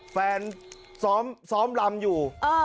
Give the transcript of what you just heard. แฟนซ้อมลำอยู่